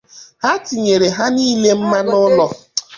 ha tinyèrè ha niile mmà n'olu